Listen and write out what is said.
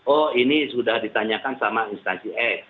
oh ini sudah ditanyakan sama instansi f